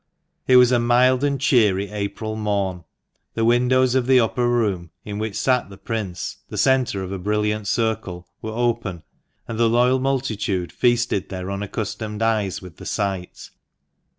It was a mild and cheery April morn ; the windows of the upper room in which sat the Prince, the centre of a brilliant circle, were open, and the loyal multitude feasted their un accustomed eyes with the sight.